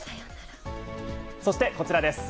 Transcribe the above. そして、こちらです。